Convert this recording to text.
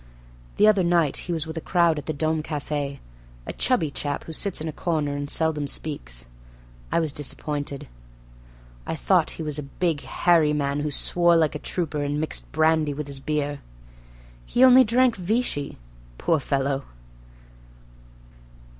The other night he was with a crowd at the Dome Cafe, a chubby chap who sits in a corner and seldom speaks. I was disappointed. I thought he was a big, hairy man who swore like a trooper and mixed brandy with his beer. He only drank Vichy, poor fellow!